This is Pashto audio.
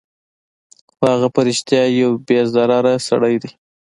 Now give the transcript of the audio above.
خو هغه په رښتیا یو بې ضرره سړی دی